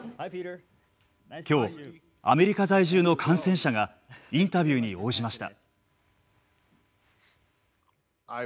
きょう、アメリカ在住の感染者がインタビューに応じました。